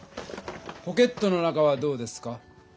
ポケットの中はどうですか？